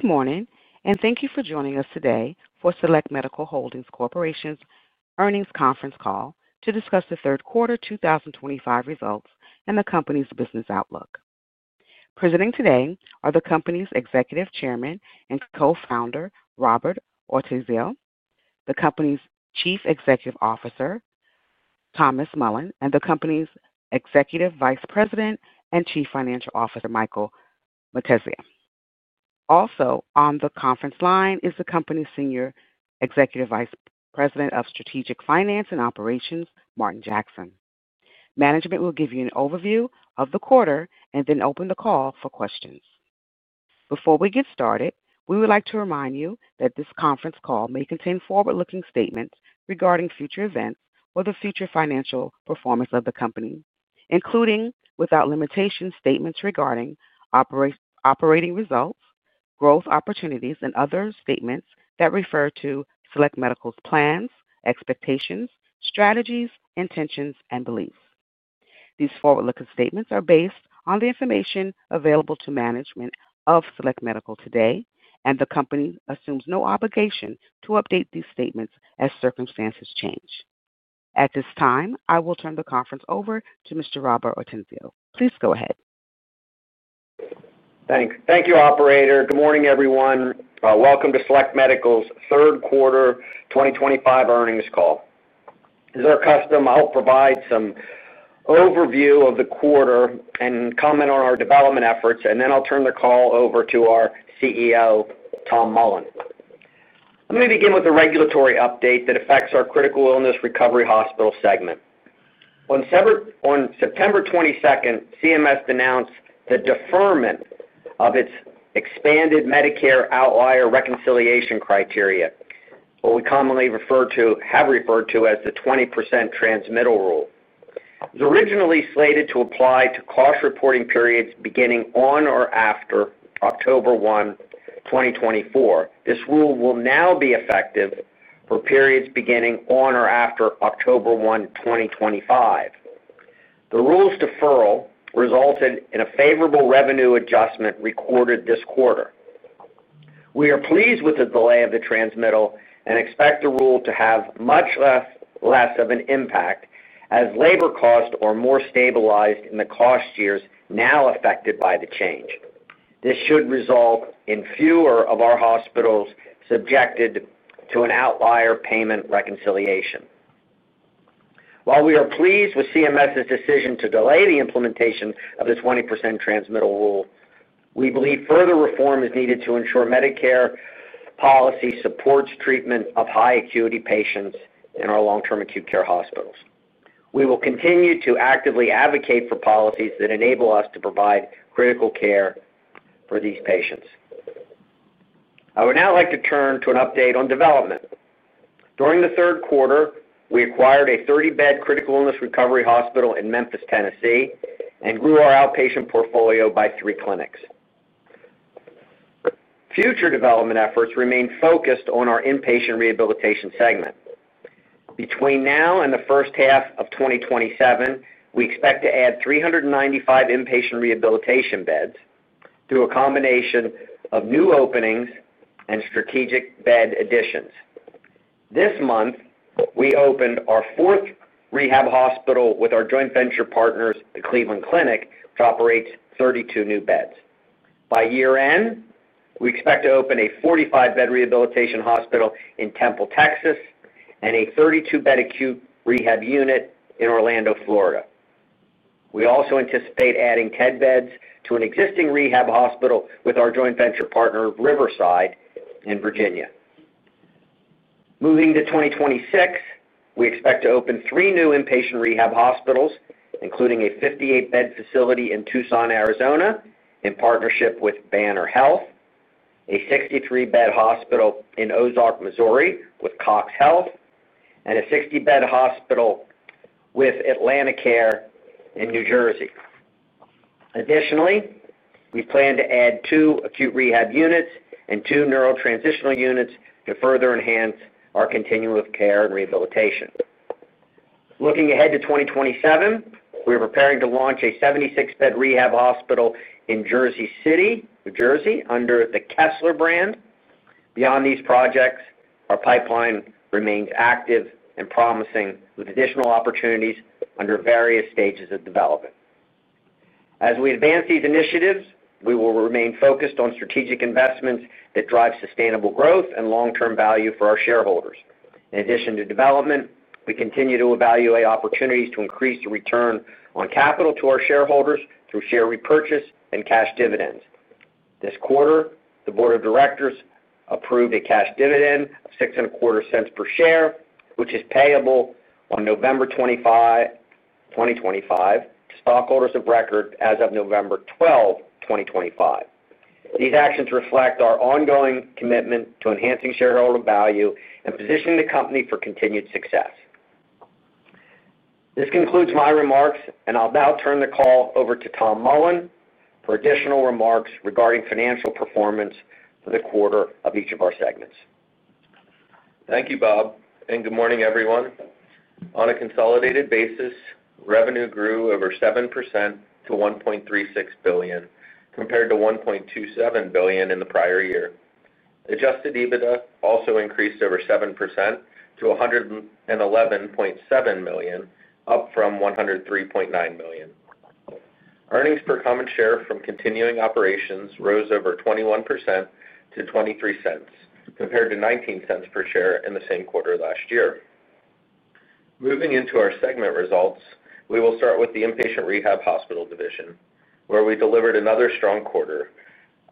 Good morning, and thank you for joining us today for Select Medical Holdings Corporation's Earnings Conference Call to discuss the third quarter 2025 results and the company's business outlook. Presenting today are the company's Executive Chairman and Co-Founder, Robert Ortenzio, the company's Chief Executive Officer, Tom Mullen, and the company's Executive Vice President and Chief Financial Officer, Michael Malatesta. Also on the conference line is the company's Senior Executive Vice President of Strategic Finance and Operations, Martin Jackson. Management will give you an overview of the quarter and then open the call for questions. Before we get started, we would like to remind you that this conference call may contain forward-looking statements regarding future events or the future financial performance of the company, including without limitation statements regarding operating results, growth opportunities, and other statements that refer to Select Medical's plans, expectations, strategies, intentions, and beliefs. These forward-looking statements are based on the information available to management of Select Medical today, and the company assumes no obligation to update these statements as circumstances change. At this time, I will turn the conference over to Mr. Robert Ortenzio. Please go ahead. Thanks. Thank you, operator. Good morning, everyone. Welcome to Select Medical's Third Quarter 2025 Earnings Call. As is our custom, I'll provide some overview of the quarter and comment on our development efforts, and then I'll turn the call over to our CEO, Tom Mullen. Let me begin with a regulatory update that affects our critical illness recovery hospital segment. On September 22, the Centers for Medicare & Medicaid Services (CMS) announced the deferment of its expanded Medicare outlier reconciliation criteria, what we commonly have referred to as the 20% transmittal rule. It was originally slated to apply to cost reporting periods beginning on or after October 1, 2024. This rule will now be effective for periods beginning on or after October 1, 2025. The rule's deferral resulted in a favorable revenue adjustment recorded this quarter. We are pleased with the delay of the transmittal and expect the rule to have much less of an impact as labor costs are more stabilized in the cost years now affected by the change. This should result in fewer of our hospitals subjected to an outlier payment reconciliation. While we are pleased with CMS's decision to delay the implementation of the 20% transmittal rule, we believe further reform is needed to ensure Medicare policy supports treatment of high-acuity patients in our long-term acute care hospitals. We will continue to actively advocate for policies that enable us to provide critical care for these patients. I would now like to turn to an update on development. During the third quarter, we acquired a 30-bed critical illness recovery hospital in Memphis, Tennessee, and grew our outpatient portfolio by three clinics. Future development efforts remain focused on our inpatient rehabilitation segment. Between now and the first half of 2027, we expect to add 395 inpatient rehabilitation beds through a combination of new openings and strategic bed additions. This month, we opened our fourth rehab hospital with our joint venture partners, the Cleveland Clinic, which operates 32 new beds. By year-end, we expect to open a 45-bed rehabilitation hospital in Temple, Texas, and a 32-bed acute rehab unit in Orlando, Florida. We also anticipate adding 10 beds to an existing rehab hospital with our joint venture partner, Riverside Health System, in Virginia. Moving to 2026, we expect to open three new inpatient rehabilitation hospitals, including a 58-bed facility in Tucson, Arizona, in partnership with Banner Health, a 63-bed hospital in Ozark, Missouri, with CoxHealth, and a 60-bed hospital with AtlantiCare in New Jersey. Additionally, we plan to add two acute rehab units and two neurotransitional units to further enhance our continuum of care and rehabilitation. Looking ahead to 2027, we are preparing to launch a 76-bed rehab hospital in Jersey City, New Jersey, under the Kessler brand. Beyond these projects, our pipeline remains active and promising, with additional opportunities under various stages of development. As we advance these initiatives, we will remain focused on strategic investments that drive sustainable growth and long-term value for our shareholders. In addition to development, we continue to evaluate opportunities to increase the return on capital to our shareholders through share repurchase and cash dividends. This quarter, the Board of Directors approved a cash dividend of $0.0625 per share, which is payable on November 25, 2025, to stockholders of record as of November 12, 2025. These actions reflect our ongoing commitment to enhancing shareholder value and positioning the company for continued success. This concludes my remarks, and I'll now turn the call over to Tom Mullen for additional remarks regarding financial performance for the quarter of each of our segments. Thank you, Bob. Good morning, everyone. On a consolidated basis, revenue grew over 7% to $1.36 billion, compared to $1.27 billion in the prior year. Adjusted EBITDA also increased over 7% to $111.7 million, up from $103.9 million. Earnings per common share from continuing operations rose over 21% to $0.23, compared to $0.19 per share in the same quarter last year. Moving into our segment results, we will start with the inpatient rehabilitation hospital division, where we delivered another strong quarter.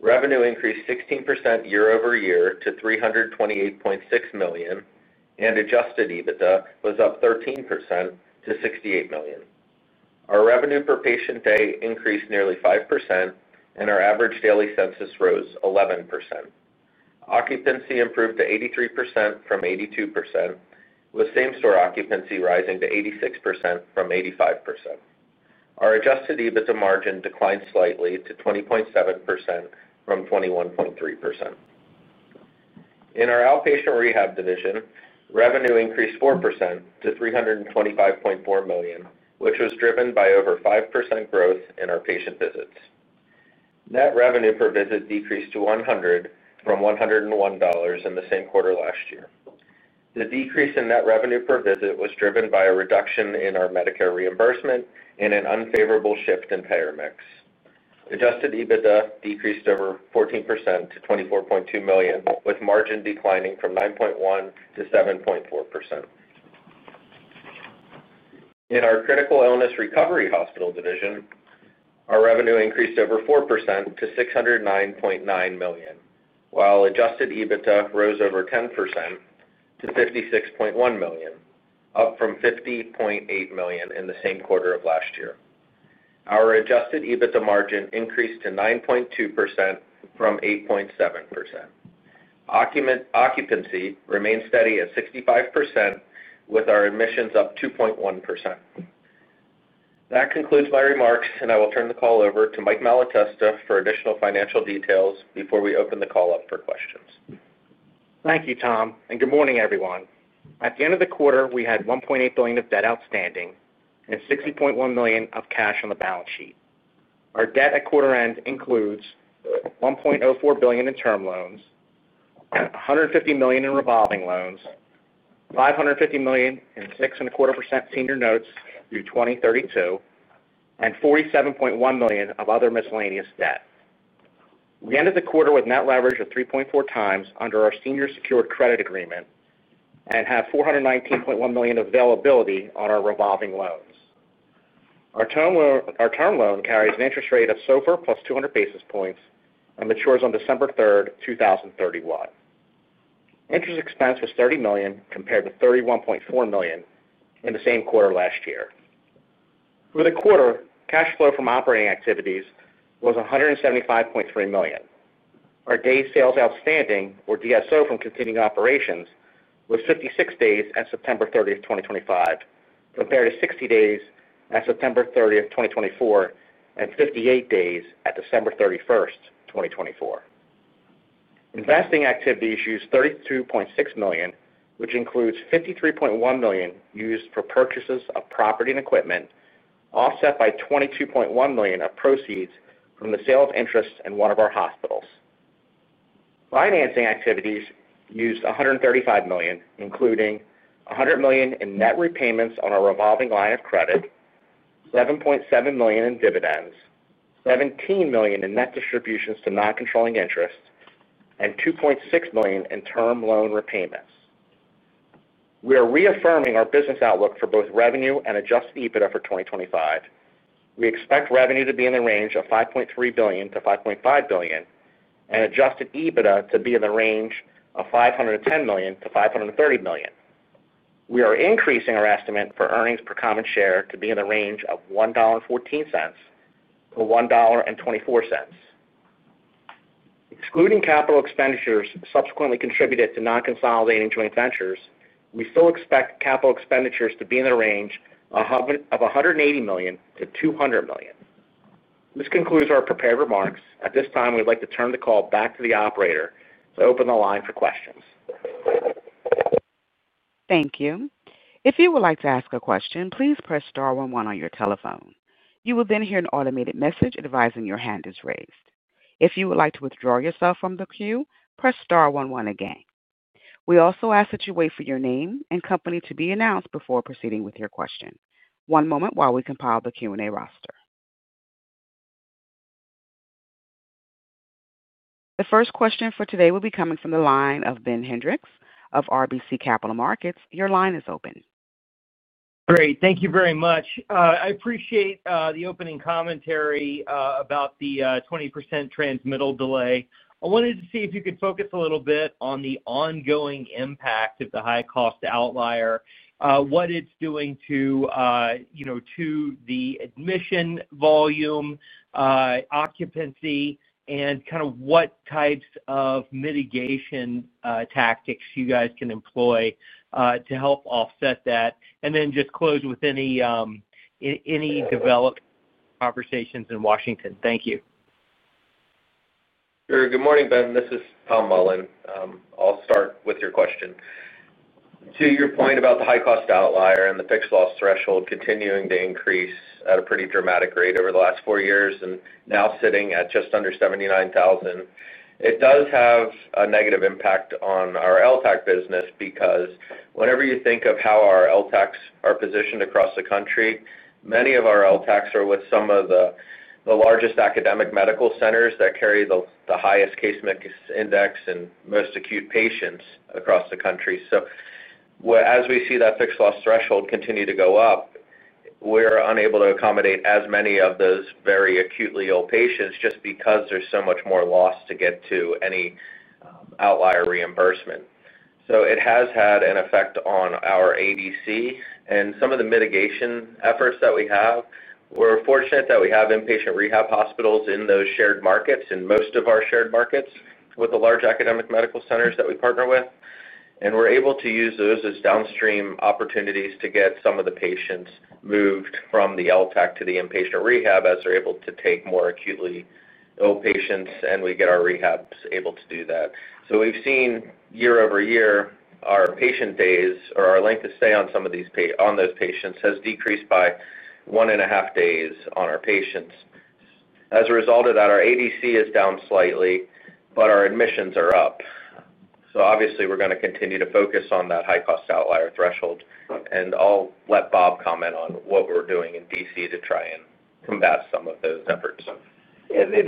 Revenue increased 16% year-over-year to $328.6 million, and adjusted EBITDA was up 13% to $68 million. Our revenue per patient day increased nearly 5%, and our average daily census rose 11%. Occupancy improved to 83% from 82%, with same-store occupancy rising to 86% from 85%. Our adjusted EBITDA margin declined slightly to 20.7% from 21.3%. In our outpatient rehabilitation division, revenue increased 4% to $325.4 million, which was driven by over 5% growth in our patient visits. Net revenue per visit decreased to $100 from $101 in the same quarter last year. The decrease in net revenue per visit was driven by a reduction in our Medicare reimbursement and an unfavorable shift in payer mix. Adjusted EBITDA decreased over 14% to $24.2 million, with margin declining from 9.1%-7.4%. In our critical illness recovery hospital division, our revenue increased over 4% to $609.9 million, while adjusted EBITDA rose over 10% to $56.1 million, up from $50.8 million in the same quarter of last year. Our adjusted EBITDA margin increased to 9.2% from 8.7%. Occupancy remained steady at 65%, with our admissions up 2.1%. That concludes my remarks, and I will turn the call over to Michael Malatesta for additional financial details before we open the call up for questions. Thank you, Tom. Good morning, everyone. At the end of the quarter, we had $1.8 billion of debt outstanding and $60.1 million of cash on the balance sheet. Our debt at quarter-end includes $1.04 billion in term loans, $150 million in revolving loans, $550 million in 6.25% senior notes through 2032, and $47.1 million of other miscellaneous debt. We ended the quarter with net leverage of 3.4x under our senior secured credit agreement and have $419.1 million of availability on our revolving loans. Our term loan carries an interest rate of SOFR plus 200 basis points and matures on December 3, 2031. Interest expense was $30 million, compared to $31.4 million in the same quarter last year. For the quarter, cash flow from operating activities was $175.3 million. Our day sales outstanding, or DSO, from continuing operations was 56 days at September 30, 2025, compared to 60 days at September 30, 2024, and 58 days at December 31, 2024. Investing activities used $32.6 million, which includes $53.1 million used for purchases of property and equipment, offset by $22.1 million of proceeds from the sale of interests in one of our hospitals. Financing activities used $135 million, including $100 million in net repayments on our revolving line of credit, $7.7 million in dividends, $17 million in net distributions to non-controlling interest, and $2.6 million in term loan repayments. We are reaffirming our business outlook for both revenue and adjusted EBITDA for 2025. We expect revenue to be in the range of $5.3 billion-$5.5 billion and adjusted EBITDA to be in the range of $510 million-$530 million. We are increasing our estimate for earnings per common share to be in the range of $1.14-$1.24. Excluding capital expenditures subsequently contributed to non-consolidating joint ventures, we still expect capital expenditures to be in the range of $180 million-$200 million. This concludes our prepared remarks. At this time, we'd like to turn the call back to the operator to open the line for questions. Thank you. If you would like to ask a question, please press Star 11 on your telephone. You will then hear an automated message advising your hand is raised. If you would like to withdraw yourself from the queue, press Star 11 again. We also ask that you wait for your name and company to be announced before proceeding with your question. One moment while we compile the Q&A roster. The first question for today will be coming from the line of Ben Hendrix of RBC Capital Markets. Your line is open. Great. Thank you very much. I appreciate the opening commentary about the 20% transmittal delay. I wanted to see if you could focus a little bit on the ongoing impact of the high-cost outlier, what it's doing to the admission volume, occupancy, and kind of what types of mitigation tactics you guys can employ to help offset that. Then just close with any development conversations in Washington. Thank you. Sure. Good morning, Ben. This is Tom Mullen. I'll start with your question. To your point about the high-cost outlier and the fixed loss threshold continuing to increase at a pretty dramatic rate over the last four years and now sitting at just under $79,000, it does have a negative impact on our LTACH business because whenever you think of how our LTACHs are positioned across the country, many of our LTACHs are with some of the largest academic medical centers that carry the highest case index and most acute patients across the country. As we see that fixed loss threshold continue to go up, we're unable to accommodate as many of those very acutely ill patients just because there's so much more loss to get to any outlier reimbursement. It has had an effect on our ADC and some of the mitigation efforts that we have. We're fortunate that we have inpatient rehab hospitals in those shared markets and most of our shared markets with the large academic medical centers that we partner with, and we're able to use those as downstream opportunities to get some of the patients moved from the LTACH to the inpatient rehab as they're able to take more acutely ill patients, and we get our rehabs able to do that. We've seen year-over-year, our patient days or our length of stay on those patients has decreased by 1.5 days on our patients. As a result of that, our ADC is down slightly, but our admissions are up. Obviously, we're going to continue to focus on that high-cost outlier threshold. I'll let Bob comment on what we're doing in D.C. to try and combat some of those efforts. The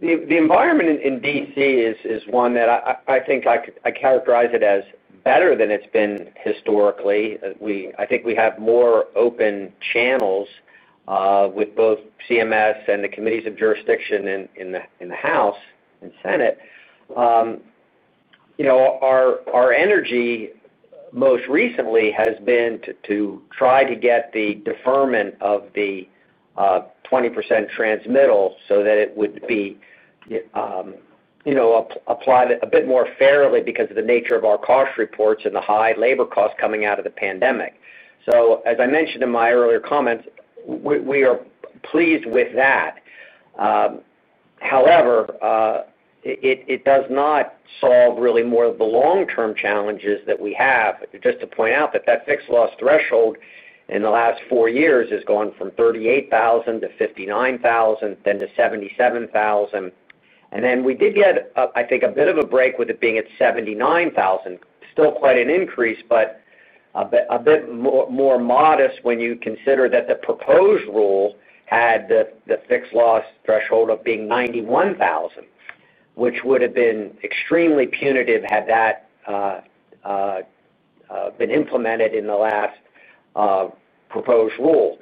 environment in D.C. is one that I think I characterize as better than it's been historically. I think we have more open channels with both CMS and the committees of jurisdiction in the House and Senate. Our energy most recently has been to try to get the deferment of the 20% transmittal so that it would be applied a bit more fairly because of the nature of our cost reports and the high labor costs coming out of the pandemic. As I mentioned in my earlier comments, we are pleased with that. However, it does not solve really more of the long-term challenges that we have. Just to point out that the fixed loss threshold in the last four years has gone from $38,000-$59,000, then to $77,000, and then we did get, I think, a bit of a break with it being at $79,000. Still quite an increase, but a bit more modest when you consider that the proposed rule had the fixed loss threshold at $91,000, which would have been extremely punitive had that been implemented in the last proposed rule.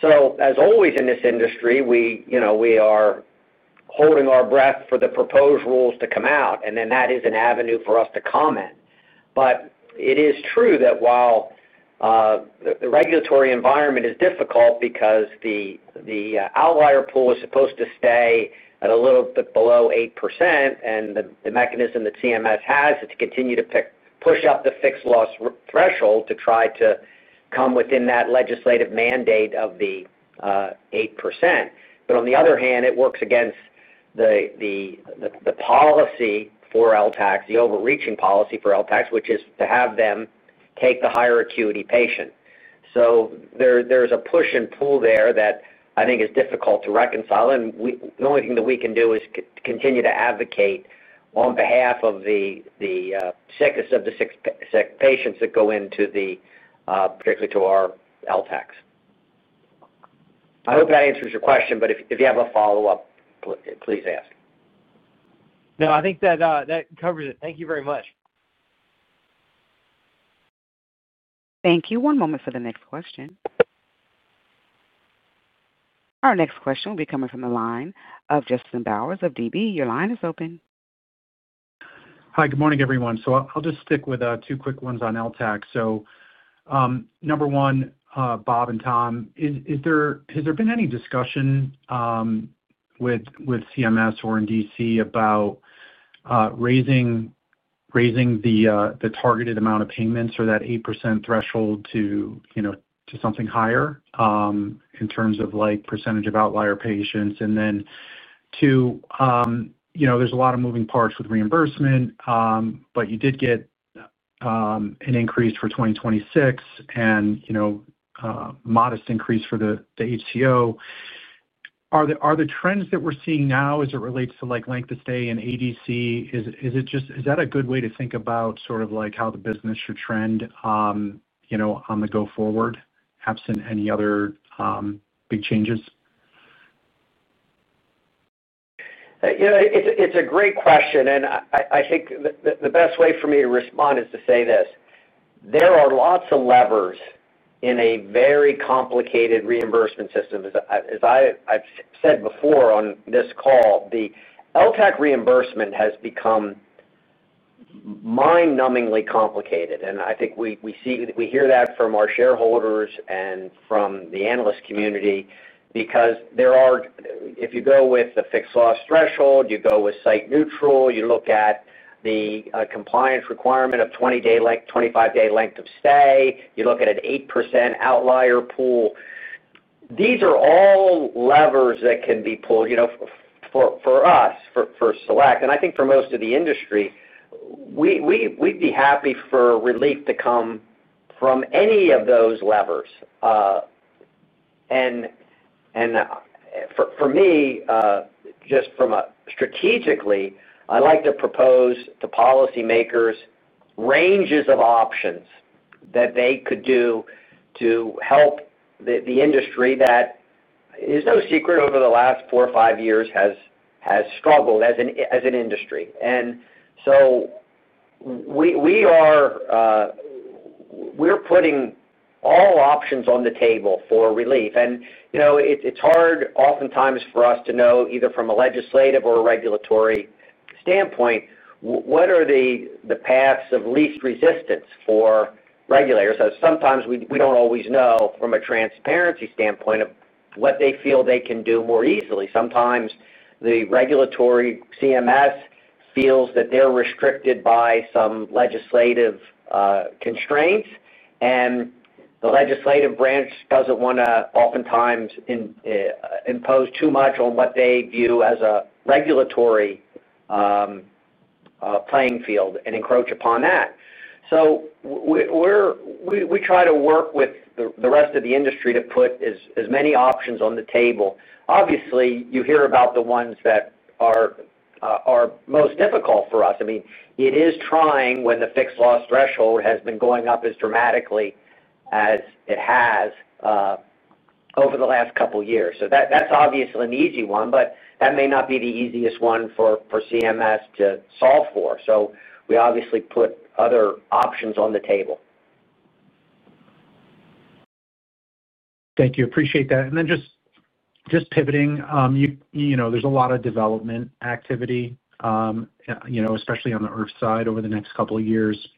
As always in this industry, we are holding our breath for the proposed rules to come out, and that is an avenue for us to comment. It is true that while the regulatory environment is difficult because the outlier pool is supposed to stay at a little bit below 8%, the mechanism that CMS has is to continue to push up the fixed loss threshold to try to come within that legislative mandate of the 8%. On the other hand, it works against the policy for LTACHs, the overreaching policy for LTACHs, which is to have them take the higher acuity patient. There's a push and pull there that I think is difficult to reconcile. The only thing that we can do is continue to advocate on behalf of the sickness of the sick patients that go particularly to our LTACHs. I hope that answers your question, but if you have a follow-up, please ask. No, I think that covers it. Thank you very much. Thank you. One moment for the next question. Our next question will be coming from the line of Justin Bowers of Deutsche Bank. Your line is open. Hi. Good morning, everyone. I'll just stick with two quick ones on LTACHs. Number one, Bob and Tom, has there been any discussion with CMS or in D.C. about raising the targeted amount of payments or that 8% threshold to something higher in terms of percentage of outlier patients? Two, there's a lot of moving parts with reimbursement, but you did get an increase for 2026 and a modest increase for the HCO. Are the trends that we're seeing now, as it relates to length of stay in ADC, is that a good way to think about sort of how the business should trend on the go-forward, absent any other big changes? It's a great question. I think the best way for me to respond is to say this. There are lots of levers in a very complicated reimbursement system. As I've said before on this call, the LTACH reimbursement has become mind-numbingly complicated. I think we hear that from our shareholders and from the analyst community because if you go with the fixed loss threshold, you go with site neutral, you look at the compliance requirement of 20- to 25-day length of stay, you look at an 8% outlier pool, these are all levers that can be pulled for us, for Select, and I think for most of the industry. We'd be happy for relief to come from any of those levers. For me, just strategically, I'd like to propose to policymakers ranges of options that they could do to help the industry that is no secret over the last four or five years has struggled as an industry. We're putting all options on the table for relief. It's hard oftentimes for us to know either from a legislative or a regulatory standpoint what are the paths of least resistance for regulators. Sometimes we don't always know from a transparency standpoint what they feel they can do more easily. Sometimes the regulatory CMS feels that they're restricted by some legislative constraints, and the legislative branch doesn't want to oftentimes impose too much on what they view as a regulatory playing field and encroach upon that. We try to work with the rest of the industry to put as many options on the table. Obviously, you hear about the ones that are most difficult for us. I mean, it is trying when the fixed loss threshold has been going up as dramatically as it has over the last couple of years. That's obviously an easy one, but that may not be the easiest one for CMS to solve for. We obviously put other options on the table. Thank you. Appreciate that. Pivoting, there's a lot of development activity, especially on the Select Medical side over the next couple of years.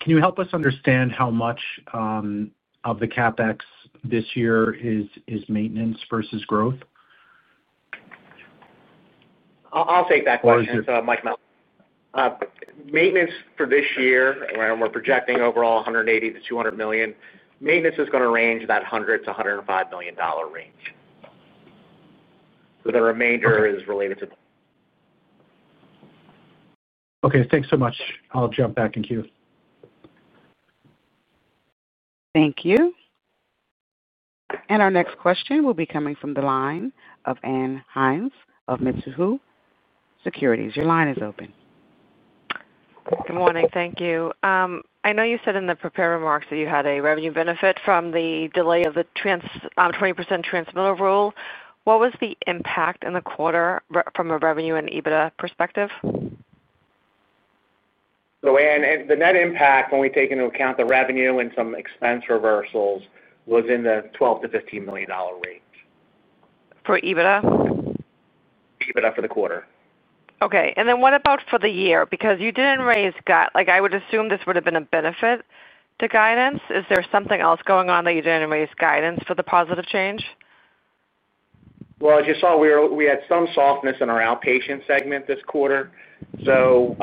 Can you help us understand how much of the CapEx this year is maintenance versus growth? I'll take that question. It's Michael Malatesta. Maintenance for this year, we're projecting overall $180-$200 million. Maintenance is going to range in that $100-$105 million range. The remainder is related to. Okay, thanks so much. I'll jump back in queue. Thank you. Our next question will be coming from the line of Ann Hynes of Mizuho. Your line is open. Good morning. Thank you. I know you said in the prepared remarks that you had a revenue benefit from the delay of the 20% transmittal rule. What was the impact in the quarter from a revenue and EBITDA perspective? The net impact, when we take into account the revenue and some expense reversals, was in the $12 million-$15 million range. For EBITDA? EBITDA for the quarter. Okay. What about for the year? You didn't raise guidance. I would assume this would have been a benefit to guidance. Is there something else going on that you didn't raise guidance for the positive change? I just saw we had some softness in our outpatient segment this quarter. While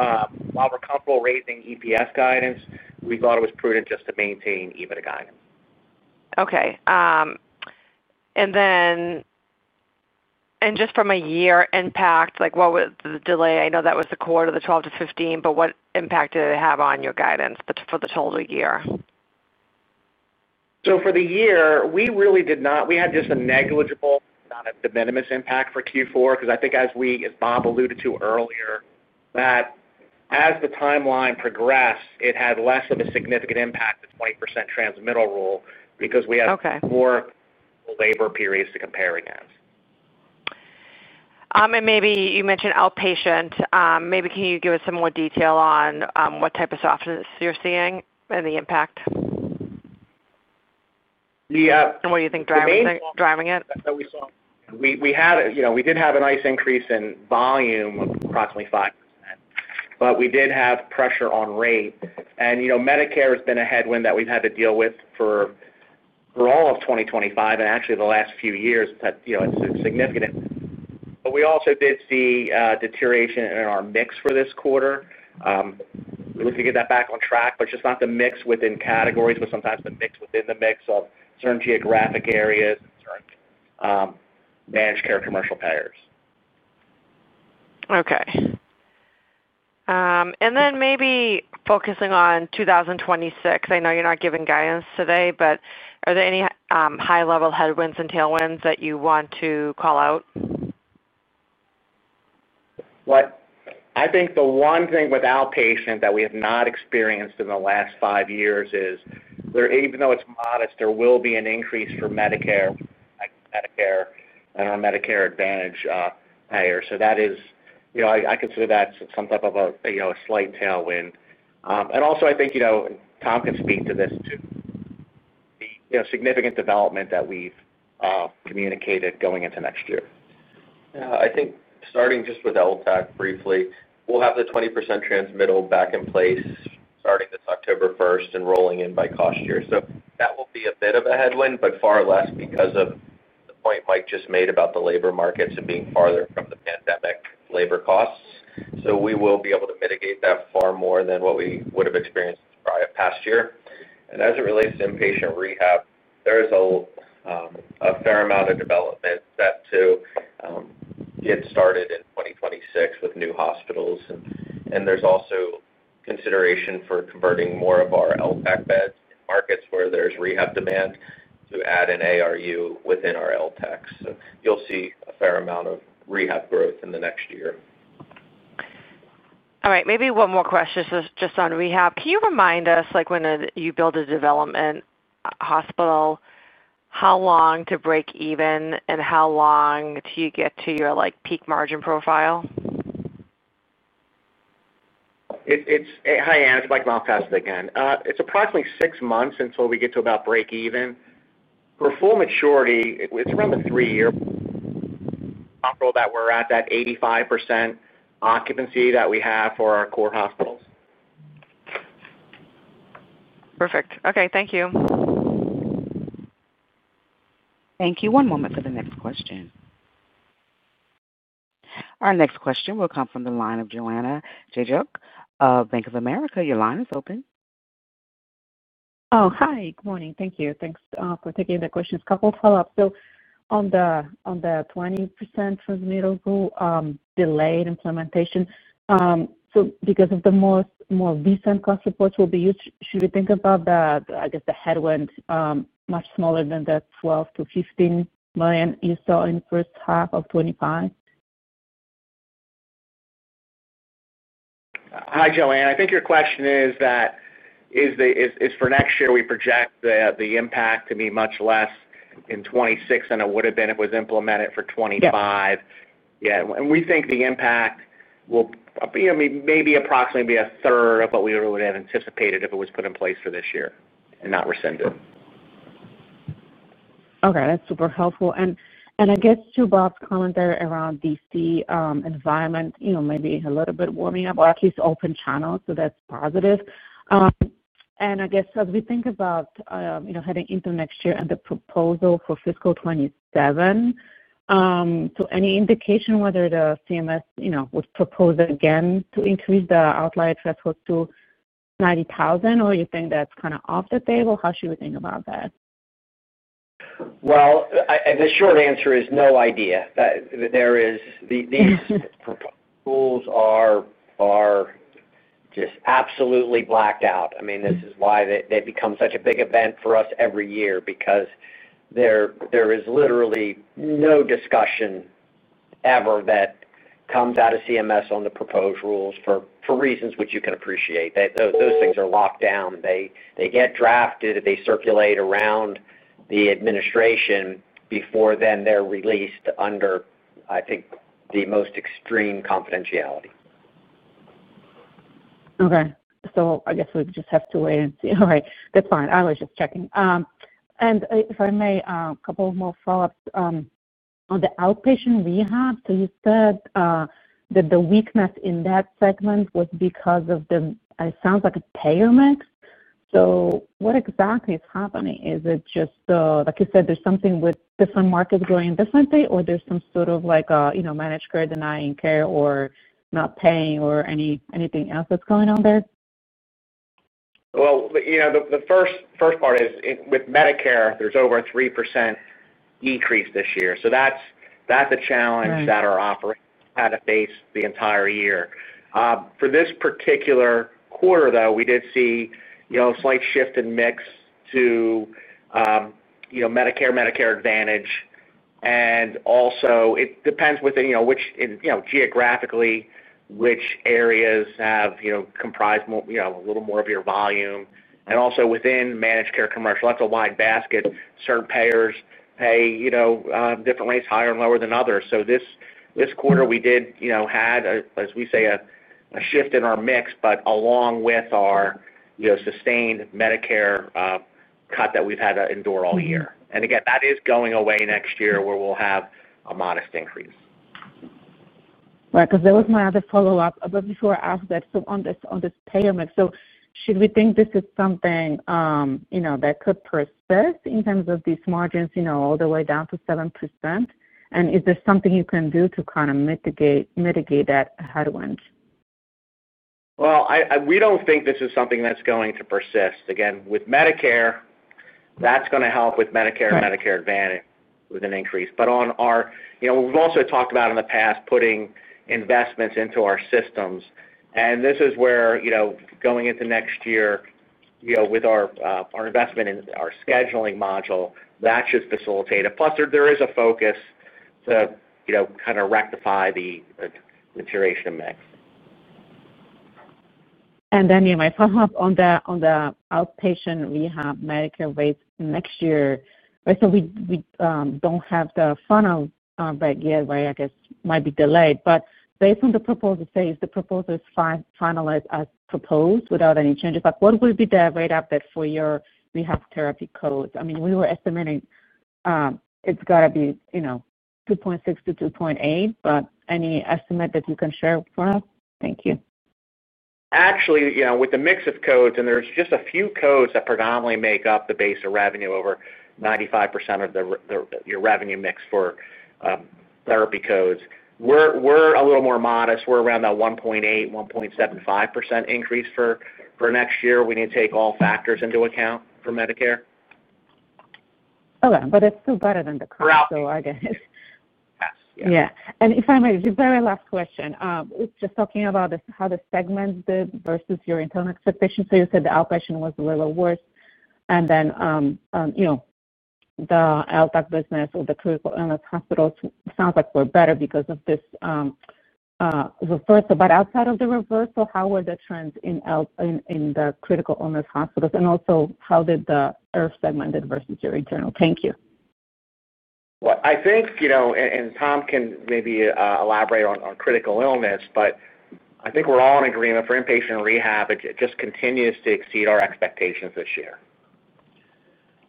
we're comfortable raising EPS guidance, we thought it was prudent just to maintain EBITDA guidance. Okay. Just from a year impact, what was the delay? I know that was the quarter of the $12 million-$15 million, but what impact did it have on your guidance for the total year? For the year, we really did not. We had just a negligible, not a de minimis impact for Q4 because I think, as Bob alluded to earlier, that as the timeline progressed, it had less of a significant impact, the 20% transmittal rule, because we had more labor periods to compare against. You mentioned outpatient. Can you give us some more detail on what type of softness you're seeing and the impact? Yeah. What do you think is driving it? That's what we saw. We did have a nice increase in volume of approximately 5%. We did have pressure on rate. Medicare has been a headwind that we've had to deal with for all of 2025 and actually the last few years. It's significant. We also did see deterioration in our mix for this quarter. We're looking to get that back on track, not just the mix within categories, but sometimes the mix within the mix of certain geographic areas and certain managed care commercial payers. Okay. Maybe focusing on 2026, I know you're not giving guidance today, but are there any high-level headwinds and tailwinds that you want to call out? I think the one thing with outpatient that we have not experienced in the last five years is, even though it's modest, there will be an increase for Medicare and our Medicare Advantage payer. I consider that some type of a slight tailwind. I think Tom can speak to this too. The significant development that we've communicated going into next year, I think starting just with LTACH briefly, we'll have the 20% transmittal back in place starting this October 1st and rolling in by cost year. That will be a bit of a headwind, but far less because of the point Mike just made about the labor markets and being farther from the pandemic labor costs. We will be able to mitigate that far more than what we would have experienced in the past year. As it relates to inpatient rehab, there is a fair amount of development set to get started in 2026 with new hospitals. There's also consideration for converting more of our LTACH beds in markets where there's rehab demand to add an ARU within our LTACHs. You'll see a fair amount of rehab growth in the next year. All right. Maybe one more question just on rehab. Can you remind us when you build a development hospital, how long to break even, and how long to get to your peak margin profile? Hi, Ann. It's Michael Malatesta again. It's approximately six months until we get to about break even. For full maturity, it's around the three-year. Comfortable that we're at that 85% occupancy that we have for our core hospitals. Perfect. Okay, thank you. Thank you. One moment for the next question. Our next question will come from the line of Joanna Gajuk of Bank of America. Your line is open. Oh, hi. Good morning. Thank you. Thanks for taking the questions. A couple of follow-ups. On the 20% transmittal rule, delayed implementation, because the more recent cost reports will be used, should we think about, I guess, the headwind much smaller than the $12 million-$15 million you saw in the first half of 2025? Hi, Joanne. I think your question is, for next year, we project the impact to be much less in 2026 than it would have been if it was implemented for 2025. We think the impact will maybe approximately be a third of what we would have anticipated if it was put in place for this year and not rescinded. Okay. That's super helpful. I guess to Bob's comment there around D.C. environment, maybe a little bit warming up or at least open channels, so that's positive. I guess as we think about heading into next year and the proposal for fiscal 2027, any indication whether the Centers for Medicare & Medicaid Services would propose again to increase the outlier threshold to $90,000, or you think that's kind of off the table? How should we think about that? The short answer is no idea. These proposals are just absolutely blacked out. I mean, this is why they become such a big event for us every year because there is literally no discussion ever that comes out of the Centers for Medicare & Medicaid Services (CMS) on the proposed rules for reasons which you can appreciate. Those things are locked down. They get drafted, they circulate around the administration before then they're released under, I think, the most extreme confidentiality. Okay. I guess we just have to wait and see. All right. That's fine. I was just checking. If I may, a couple more follow-ups. On the outpatient rehab, you said that the weakness in that segment was because of the, it sounds like, a payer mix. What exactly is happening? Is it just, like you said, there's something with different markets growing differently, or there's some sort of managed care denying care or not paying or anything else that's going on there? The first part is with Medicare, there's over a 3% decrease this year. That's a challenge that our operations had to face the entire year. For this particular quarter, though, we did see a slight shift in mix to Medicare, Medicare Advantage. It also depends within which geographically which areas have comprised a little more of your volume. Within managed care commercial, that's a wide basket. Certain payers pay different rates, higher and lower than others. This quarter, we did have, as we say, a shift in our mix, but along with our sustained Medicare cut that we've had to endure all year. That is going away next year where we'll have a modest increase. Right. Because that was my other follow-up. Before I ask that, on this payer mix, should we think this is something that could persist in terms of these margins all the way down to 7%? Is there something you can do to kind of mitigate that headwind? We don't think this is something that's going to persist. Again, with Medicare, that's going to help with Medicare and Medicare Advantage with an increase. We've also talked about in the past putting investments into our systems. This is where going into next year, with our investment in our scheduling module, that should facilitate it. Plus, there is a focus to kind of rectify the deterioration of mix. My follow-up on the outpatient rehab Medicare rates next year. We don't have the final rate yet, right? I guess it might be delayed. Based on the proposal phase, the proposal is finalized as proposed without any changes. What would be the rate update for your rehab therapy codes? I mean, we were estimating it's got to be 2.6%-2.8%, but any estimate that you can share for us? Thank you. Actually, with the mix of codes, and there's just a few codes that predominantly make up the base of revenue, over 95% of your revenue mix for therapy codes, we're a little more modest. We're around that 1.8%, 1.75% increase for next year. We need to take all factors into account for Medicare. Okay, it's still better than the current, so I guess. Yes. Yeah. If I may, just very last question. Just talking about how the segments versus your internal expectations. You said the outpatient was a little worse. The LTACH business or the critical illness recovery hospitals sounds like were better because of this reversal. Outside of the reversal, how were the trends in the critical illness recovery hospitals? Also, how did the inpatient rehabilitation segment do versus your internal? Thank you. I think Tom can maybe elaborate on critical illness, but I think we're all in agreement for inpatient rehab, it just continues to exceed our expectations this year.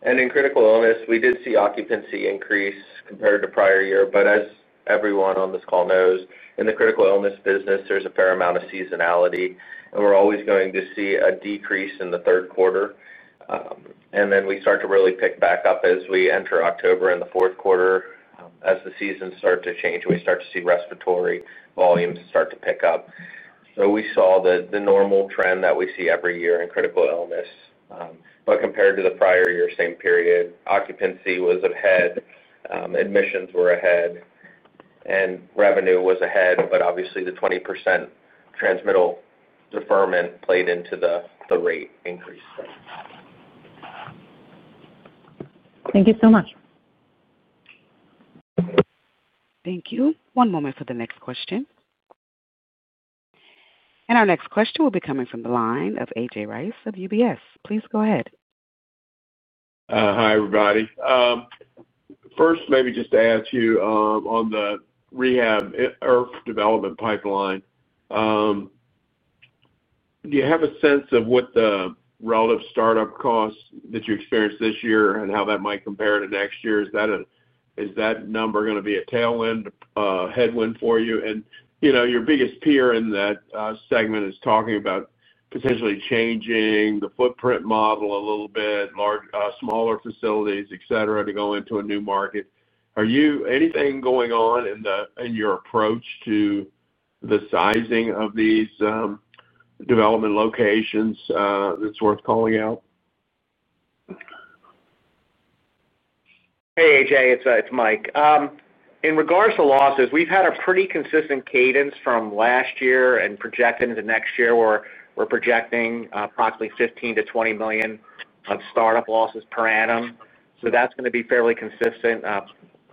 In critical illness, we did see occupancy increase compared to prior year. As everyone on this call knows, in the critical illness business, there's a fair amount of seasonality. We're always going to see a decrease in the third quarter, and then we start to really pick back up as we enter October and the fourth quarter as the seasons start to change, and we start to see respiratory volumes start to pick up. We saw the normal trend that we see every year in critical illness. Compared to the prior year same period, occupancy was ahead, admissions were ahead, and revenue was ahead. Obviously, the 20% transmittal deferment played into the rate increase. Thank you so much. Thank you. One moment for the next question. Our next question will be coming from the line of AJ Rice of UBS. Please go ahead. Hi, everybody. First, maybe just to ask you on the rehab IRF development pipeline. Do you have a sense of what the relative startup costs that you experienced this year and how that might compare to next year? Is that number going to be a tailwind, a headwind for you? Your biggest peer in that segment is talking about potentially changing the footprint model a little bit, smaller facilities, etc., to go into a new market. Anything going on in your approach to the sizing of these development locations that's worth calling out? Hey, AJ, it's Mike. In regards to losses, we've had a pretty consistent cadence from last year and projecting into next year where we're projecting approximately $15 million-$20 million of startup losses per annum. That's going to be fairly consistent.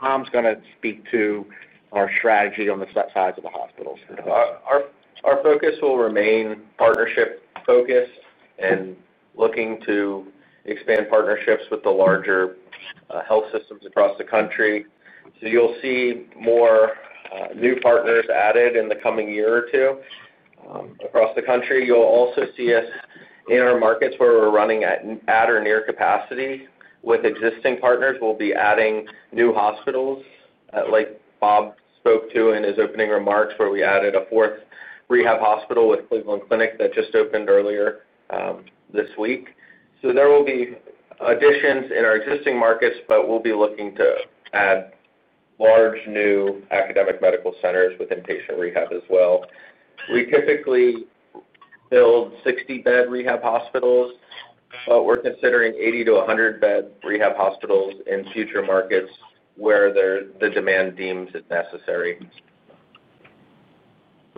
Tom's going to speak to our strategy on the size of the hospitals. Our focus will remain partnership-focused and looking to expand partnerships with the larger health systems across the country. You'll see more new partners added in the coming year or two. Across the country, you'll also see us in our markets where we're running at or near capacity with existing partners. We'll be adding new hospitals, like Bob spoke to in his opening remarks where we added a fourth rehab hospital with Cleveland Clinic that just opened earlier this week. There will be additions in our existing markets, but we'll be looking to add large new academic medical centers with inpatient rehab as well. We typically build 60-bed rehab hospitals, but we're considering 80-100 bed rehab hospitals in future markets where the demand deems it necessary.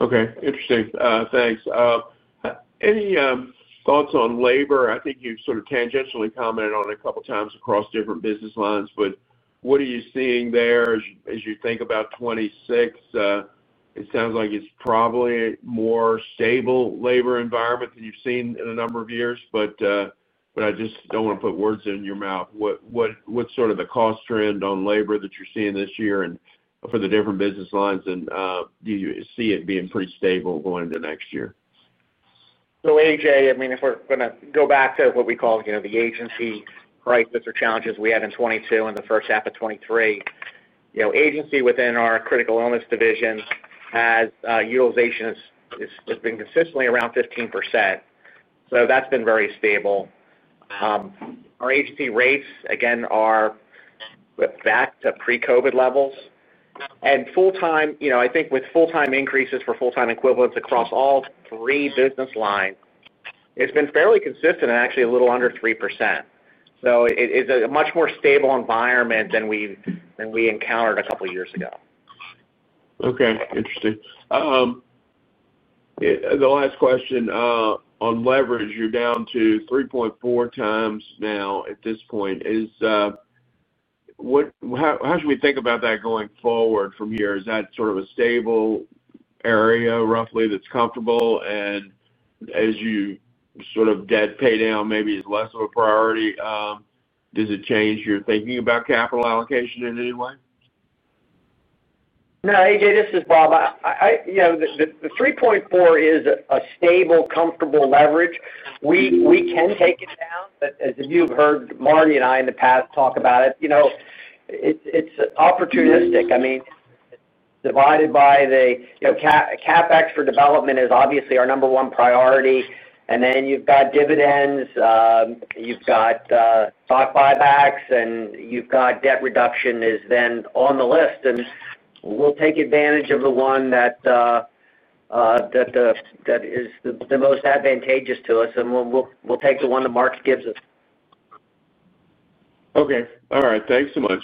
Okay. Interesting. Thanks. Any thoughts on labor? I think you've sort of tangentially commented on it a couple of times across different business lines, but what are you seeing there as you think about 2026? It sounds like it's probably a more stable labor environment than you've seen in a number of years, but I just don't want to put words in your mouth. What's sort of the cost trend on labor that you're seeing this year for the different business lines, and do you see it being pretty stable going into next year? AJ, if we're going to go back to what we call the agency crisis or challenges we had in 2022 and the first half of 2023, agency within our critical illness recovery hospital division has utilization consistently around 15%. That's been very stable. Our agency rates are back to pre-COVID levels. With full-time increases for full-time equivalents across all three business lines, it's been fairly consistent and actually a little under 3%. It's a much more stable environment than we encountered a couple of years ago. Okay. Interesting. The last question on leverage, you're down to 3.4x now at this point. How should we think about that going forward from here? Is that sort of a stable area roughly that's comfortable? As you sort of debt pay down, maybe it's less of a priority. Does it change your thinking about capital allocation in any way? No, AJ, this is Bob. The 3.4x is a stable, comfortable leverage. We can take it down, but as you've heard Marty and I in the past talk about it, it's opportunistic. Divided by the CapEx for development is obviously our number one priority. Then you've got dividends, you've got stock buybacks, and you've got debt reduction is then on the list. We'll take advantage of the one that is the most advantageous to us, and we'll take the one the market gives us. Okay. All right. Thanks so much.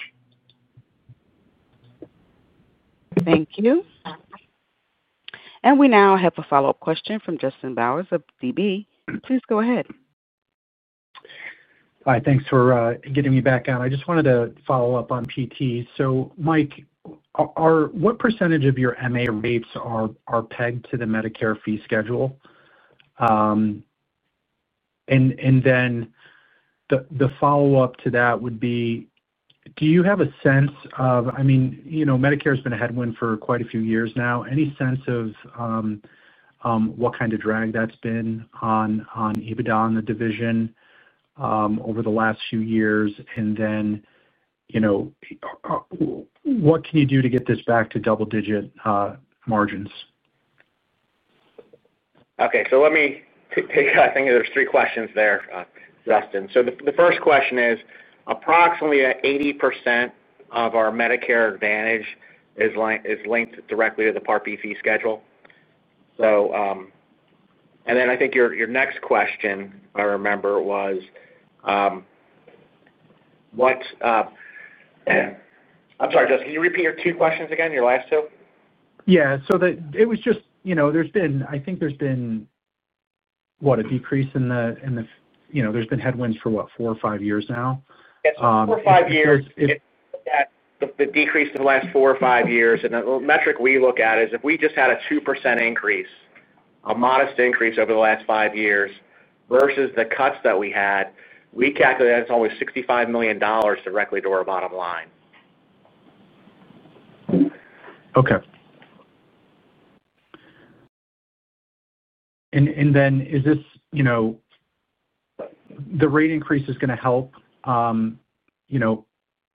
Thank you. We now have a follow-up question from Justin Bowers of Deutsche Bank. Please go ahead. Hi. Thanks for getting me back on. I just wanted to follow up on PT. Mike, what percentage of your MA rates are pegged to the Medicare fee schedule? The follow-up to that would be, do you have a sense of, I mean, Medicare has been a headwind for quite a few years now. Any sense of what kind of drag that's been on EBITDA in the division over the last few years? What can you do to get this back to double-digit margins? Okay. Let me take—I think there's three questions there, Justin. The first question is, approximately 80% of our Medicare Advantage is linked directly to the Part B fee schedule. I think your next question, if I remember, was, what—I'm sorry, Justin. Can you repeat your two questions again, your last two? Yeah, there's been, I think there's been, what, a decrease in the, there's been headwinds for, what, four or five years now? Yes. Four or five years. The decrease in the last four or five years. The metric we look at is if we just had a 2% increase, a modest increase over the last five years versus the cuts that we had, we calculate that's only $65 million directly to our bottom line. Okay. Is this rate increase going to help?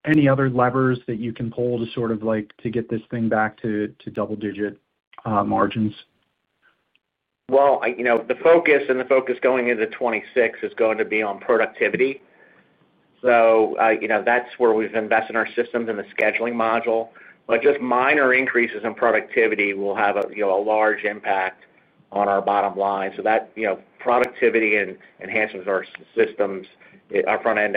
Any other levers that you can pull to sort of get this thing back to double-digit margins? The focus and the focus going into 2026 is going to be on productivity. That's where we've invested in our systems and the scheduling module. Just minor increases in productivity will have a large impact on our bottom line. That productivity and enhancements of our systems, our front-end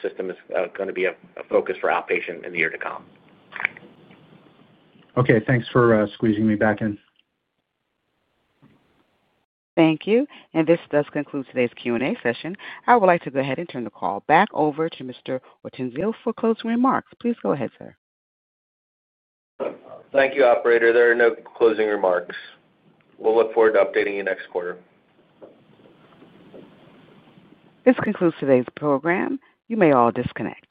system, is going to be a focus for outpatient in the year to come. Okay, thanks for squeezing me back in. Thank you. This does conclude today's Q&A session. I would like to go ahead and turn the call back over to Mr. Robert Ortenzio for closing remarks. Please go ahead, sir. Thank you, operator. There are no closing remarks. We'll look forward to updating you next quarter. This concludes today's program. You may all disconnect.